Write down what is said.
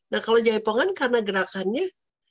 nah kalau jaipongan karena gerakannya